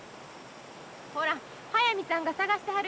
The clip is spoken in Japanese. ほら速水さんが探してはる